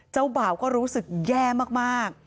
บ่าวก็รู้สึกแย่มาก